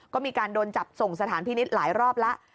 ก็มีการโดนจับส่งสถานพินิษฐ์หลายรอบแล้ว